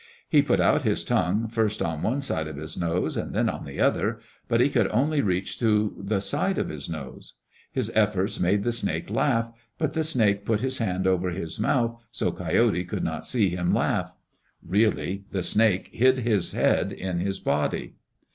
He put out his tongue first on one side of his nose and then on the other, but he could only reach to the side of his nose. His efforts made the snake laugh, but the snake put his hand over his mouth so Coyote should not see him laugh. Really, the snake hid his head in his body.